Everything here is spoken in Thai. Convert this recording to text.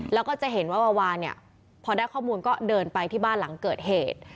แล้วก็จะเห็นว่าวาวาเนี่ยพอได้ข้อมูลก็เดินไปที่บ้านหลังเกิดเหตุ